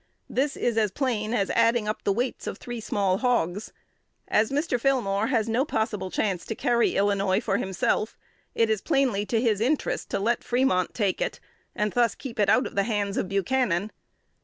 This is as plain as adding up the weights of three small hogs. As Mr. Fillmore has no possible chance to carry Illinois for himself, it is plainly to his interest to let Fremont take it, and thus keep it out of the hands of Buchanan.